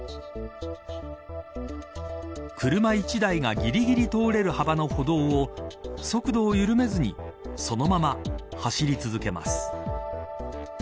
車１台がぎりぎり通れる幅の歩道を速度を緩めずにそのまま走り続けます。